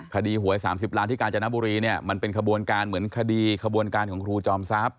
หวย๓๐ล้านที่กาญจนบุรีเนี่ยมันเป็นขบวนการเหมือนคดีขบวนการของครูจอมทรัพย